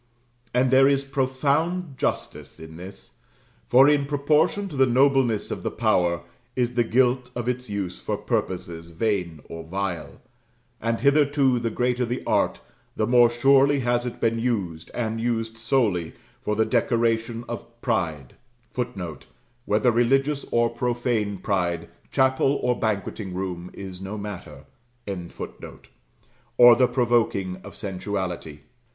And there is profound justice in this; for in proportion to the nobleness of the power is the guilt of its use for purposes vain or vile; and hitherto the greater the art, the more surely has it been used, and used solely, for the decoration of pride, [Footnote: Whether religious or profane pride, chapel or banqueting room, is no matter.] or the provoking of sensuality.